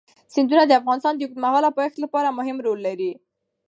سیندونه د افغانستان د اوږدمهاله پایښت لپاره مهم رول لري.